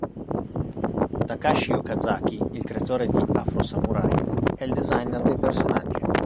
Takashi Okazaki, il creatore di "Afro Samurai", è il designer dei personaggi.